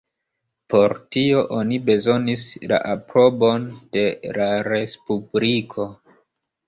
Por tio oni bezonis la aprobon de la Respubliko.